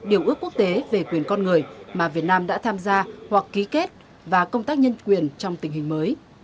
điều ước quốc tế về quyền con người mà việt nam đã tham gia hoặc ký kết và công tác nhân quyền trong tình hình mới